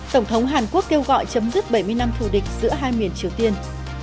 tổng thống hàn quốc kêu gọi chấm dứt bảy mươi năm thủ địch giữa hai miền triều tiên